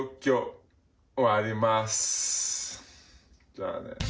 じゃあね。